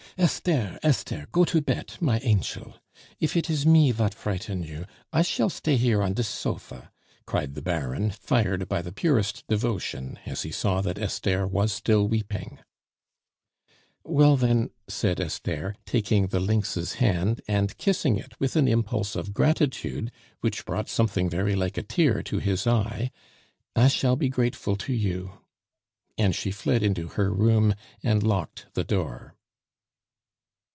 "Esther, Esther; go to bet, my anchel! If it is me vat frighten you, I shall stay here on dis sofa " cried the Baron, fired by the purest devotion, as he saw that Esther was still weeping. "Well, then," said Esther, taking the "lynx's" hand, and kissing it with an impulse of gratitude which brought something very like a tear to his eye, "I shall be grateful to you " And she fled into her room and locked the door.